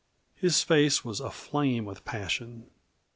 His face was aflame with passion.